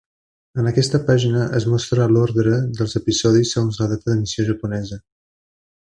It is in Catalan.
En aquesta pàgina es mostra l'ordre dels episodis segons la data d'emissió japonesa.